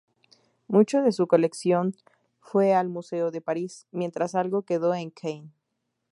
Mucho de su colección fue al "Museo de Paris", mientras algo quedó en Kew.